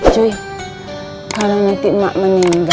jui kalau nanti emak meninggal